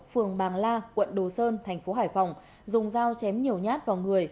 phường bàng la quận đồ sơn tp hải phòng dùng dao chém nhiều nhát vào người